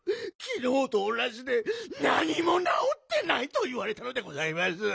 きのうとおなじでなにもなおってないといわれたのでございます。